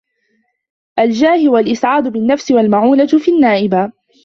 الْجَاهِ وَالْإِسْعَادُ بِالنَّفْسِ وَالْمَعُونَةُ فِي النَّائِبَةِ